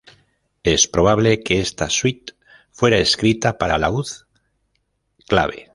Es probable que esta suite fuera escrita para laúd-clave.